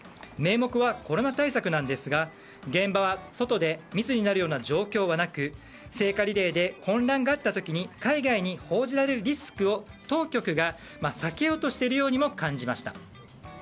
名目はコロナ対策なんですが現場は外で密になるような状況はなく聖火リレーで混乱があった時に海外に報じられるリスクを当局が避けようとしているようにも感じられました。